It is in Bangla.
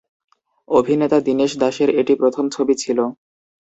অভিনেতা দিনেশ দাসের এটি প্রথম ছবি ছিল।